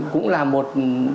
cũng là một